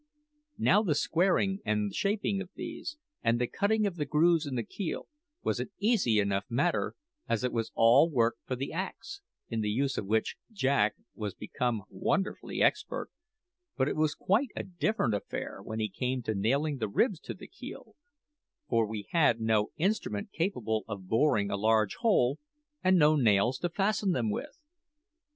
Now the squaring and shaping of these, and the cutting of the grooves in the keel, was an easy enough matter, as it was all work for the axe, in the use of which Jack was become wonderfully expert; but it was quite a different affair when he came to nailing the ribs to the keel, for we had no instrument capable of boring a large hole, and no nails to fasten them with.